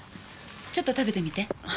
ちょっと食べてみて。